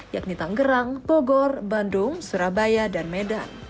yakni tanggerang bogor bandung surabaya dan medan